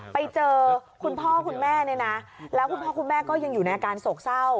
ไปเจอคุณพ่อคุณแม่เนี่ยนะแล้วคุณพ่อคุณแม่ก็ยังอยู่ในอาการโศกเศร้า